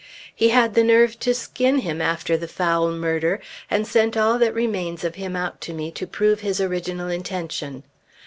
He had the nerve to skin him after the foul murder, and sent all that remains of him out to me to prove his original intention.